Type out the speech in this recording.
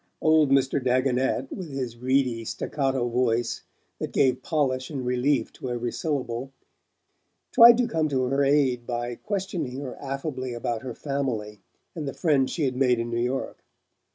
Old Mr. Dagonet, with his reedy staccato voice, that gave polish and relief to every syllable, tried to come to her aid by questioning her affably about her family and the friends she had made in New York.